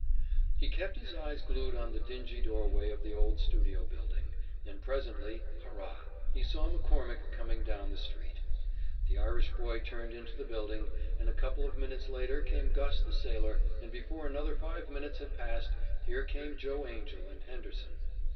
He kept his eyes glued on the dingy doorway of the old studio building, and presently hurrah! he saw McCormick coming down the street! The Irish boy turned into the building, and a couple of minutes later came Gus the sailor, and before another five minutes had passed here came Joe Angell and Henderson.